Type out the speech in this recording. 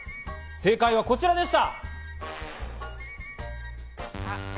正解はこちらでした。